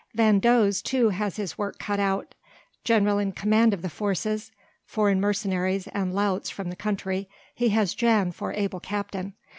Van Does too has his work cut out. General in command of the forces foreign mercenaries and louts from the country he has Jan for able captain.